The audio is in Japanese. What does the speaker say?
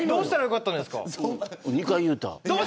２回言うた。